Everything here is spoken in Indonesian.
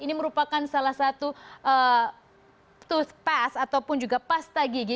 ini merupakan salah satu toothpaste ataupun juga pasta gigi